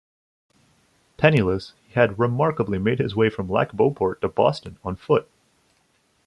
Penniless, he had remarkably made his way from Lac-Beauport to Boston on foot.